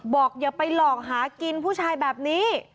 อย่าไปหลอกหากินผู้ชายแบบนี้